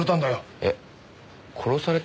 えっ殺された？